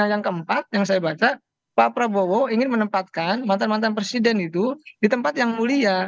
yang keempat yang saya baca pak prabowo ingin menempatkan mantan mantan presiden itu di tempat yang mulia